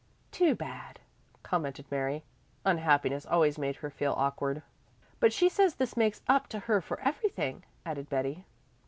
"Too bad," commented Mary. Unhappiness always made her feel awkward. "But she says this makes up to her for everything," added Betty.